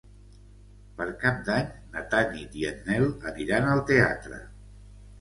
Per Cap d'Any na Tanit i en Nel aniran al teatre.